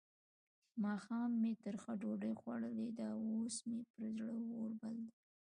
ماښام مې ترخه ډوډۍ خوړلې ده؛ اوس مې پر زړه اور بل دی.